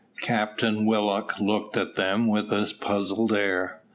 Captain Willock looked at them with a puzzled air.